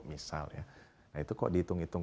misalnya nah itu kok dihitung hitung